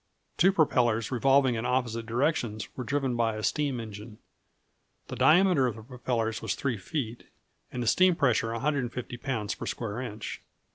Two propellers revolving in opposite directions were driven by a steam engine. The diameter of the propellers was 3 feet, and the steam pressure 150 lbs. per square inch.